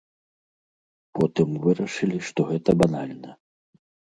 Потым вырашылі што гэта банальна.